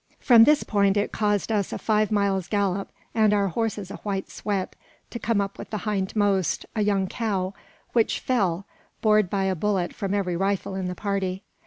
From this point it caused us a five miles' gallop, and our horses a white sweat, to come up with the hindmost, a young cow, which fell, bored by a bullet from every rifle in the party.